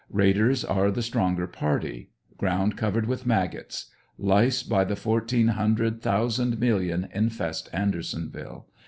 Raiders are the stronger party . Ground covered with maggots. Lice by the fourteen hundred thousand million infest Andersonville.